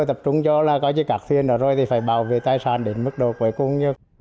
tập trung cho là có cái cạc thiên đó rồi thì phải bảo vệ tài sản đến mức độ cuối cùng